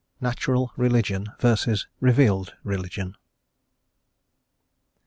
NATURAL RELIGION VERSUS REVEALED RELIGION.